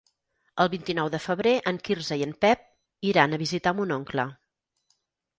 El vint-i-nou de febrer en Quirze i en Pep iran a visitar mon oncle.